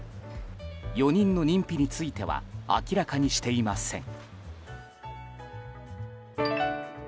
４人の認否については明らかにしていません。